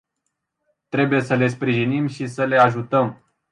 Trebuie să le sprijinim și să le ajutăm.